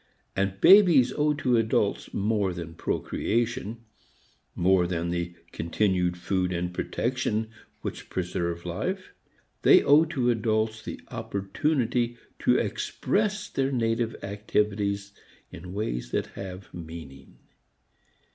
And babies owe to adults more than procreation, more than the continued food and protection which preserve life. They owe to adults the opportunity to express their native activities in ways which have meaning.